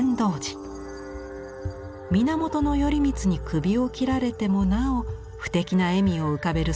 源頼光に首を切られてもなお不敵な笑みを浮かべる